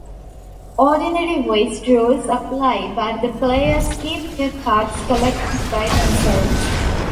Ordinary whist rules apply, but the players keep their cards collected by themselves.